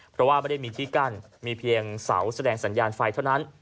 เพราะว่าไม่ได้มีที่กั้นมีเพียงเสาแสดงสัญญาณไฟเท่านั้น